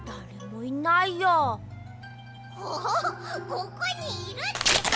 ここにいるってば！